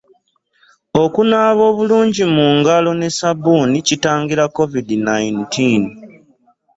Okunaaba omulungi mu ngalo ne ssabbuuni kitangira covid nineteen.